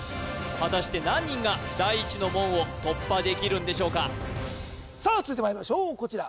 果たして何人が第一の門を突破できるんでしょうかさあ続いてまいりましょうこちら